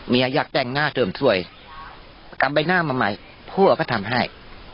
เมียอยากแต่งหน้าเติมสวยกำไบหน้ามาใหม่พวกเขาก็ทำให้